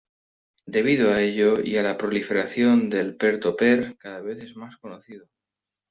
Debido a ello y a la proliferación del peer-to-peer, cada vez es más conocido.